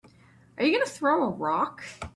Are you gonna throw a rock?